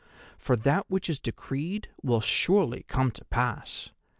For that which is decreed will surely come to pass!